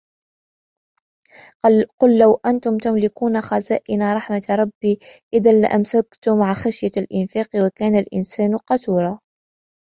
قل لو أنتم تملكون خزائن رحمة ربي إذا لأمسكتم خشية الإنفاق وكان الإنسان قتورا